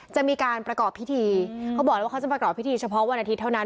จะมีการประกอบพิธีเขาบอกแล้วว่าเขาจะประกอบพิธีเฉพาะวันอาทิตย์เท่านั้น